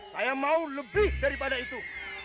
saya mau lebih daripada itu